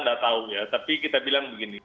tidak tahu ya tapi kita bilang begini